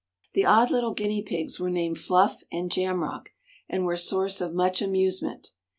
The odd little guinea pigs were named Fluff and Jamrach, and were a source of much amusement.